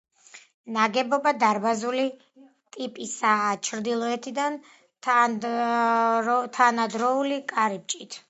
ნაგებობა დარბაზული ტიპისაა, ჩრდილოეთიდან თანადროული კარიბჭით.